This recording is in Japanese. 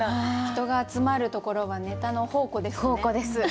人が集まるところはネタの宝庫ですね。